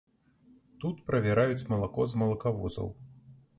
Тут правяраюць малако з малакавозаў.